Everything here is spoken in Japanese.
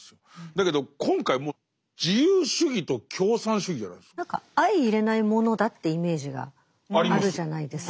だけど今回もう何か相いれないものだってイメージがあるじゃないですか。